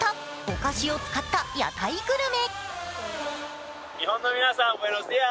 菓子を使った屋台グルメ。